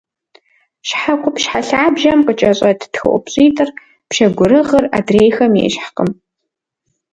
Щхьэ къупщхьэ лъабжьэм къыкӏэщӏэт тхыӏупщӏитӏыр – пщэгурыгъыр – адрейхэм ещхькъым.